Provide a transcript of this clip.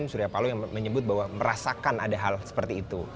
surya paloh yang menyebut bahwa merasakan ada hal seperti itu